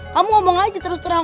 kamu ngomong aja terus terang